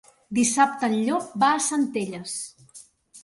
Dissabte en Llop va a Centelles.